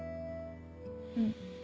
うん。